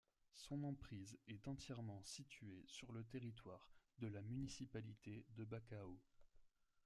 Son emprise est entièrement située sur le territoire de la municipalité de Bacău.